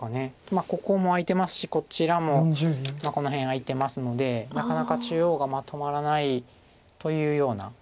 まあここも空いてますしこちらもこの辺空いてますのでなかなか中央がまとまらないというような。